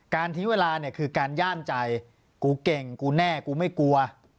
ทิ้งเวลาเนี่ยคือการย่ามใจกูเก่งกูแน่กูไม่กลัว